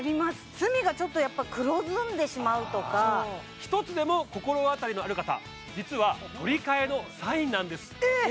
隅が黒ずんでしまうとか一つでも心当たりのある方実は取り替えのサインなんですえっ